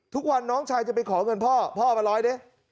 ทุกวันน้องชายจะไปขอเงินพ่อพ่อเอามาร้อยดิ